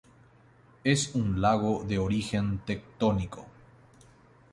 Es un lago de origen tectónico.